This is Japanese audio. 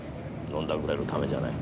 飲んだくれるためじゃない。